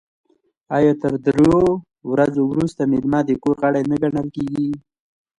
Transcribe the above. آیا تر دریو ورځو وروسته میلمه د کور غړی نه ګڼل کیږي؟